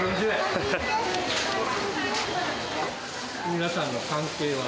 皆さんの関係は？